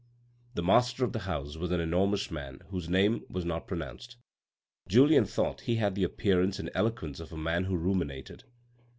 The master of the house was an enormous man whose name was not pronounced. Julien thought he had the appearance and eloquence of a man who ruminated.